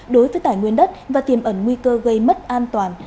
đối với tài nguyên đất và tiềm ẩn nguy cơ gây mất an toàn